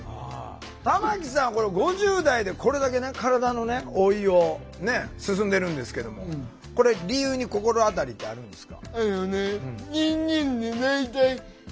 玉木さんこれ５０代でこれだけね体の老いを進んでるんですけどもこれ理由に心当たりってあるんですか？